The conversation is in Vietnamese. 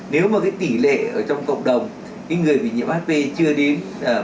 nếu mà tỷ lệ ở trong cộng đồng người bị nhiễm hp chưa đến bảy mươi